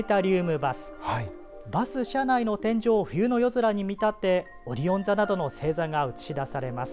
バス車内の天井を冬の夜空に見立てオリオン座などの星座が映し出されます。